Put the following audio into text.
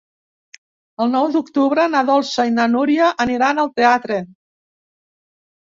El nou d'octubre na Dolça i na Núria aniran al teatre.